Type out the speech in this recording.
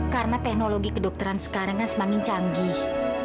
karena teknologi kedokteran sekarang kan semakin canggih